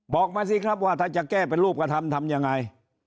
บอกมาสิครับว่าถ้าจะแก้เป็นรูปกระทำทำยังไง